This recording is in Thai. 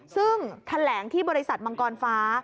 ซึ่งแถลงที่บริษัทมังกรฟ้า